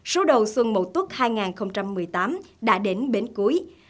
số đầu xuân mậu tuất hai nghìn một mươi tám đã đến bến cuối